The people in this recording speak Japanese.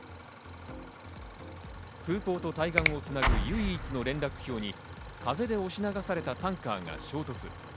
空港と対岸をつなぐ唯一の連絡橋に風で押し流されたタンカーが衝突。